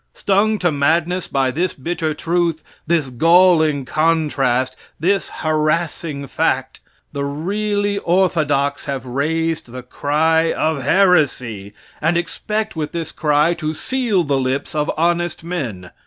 Stung to madness by this bitter truth, this galling contrast, this harassing fact, the really orthodox have raised the cry of heresy, and expect with this cry to seal the lips of honest men.